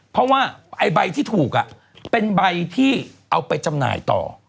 เพราะว่าไอ้ใบที่ถูกเป็นใบที่เอาไปจำหน่ายต่อ